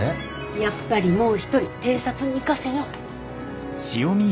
やっぱりもう一人偵察に行かせよう。